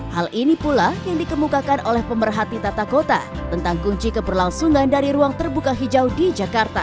hal ini pula yang dikemukakan oleh pemerhati tata kota tentang kunci keberlangsungan dari ruang terbuka hijau di jakarta